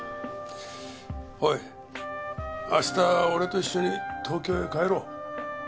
おい明日俺と一緒に東京へ帰ろう。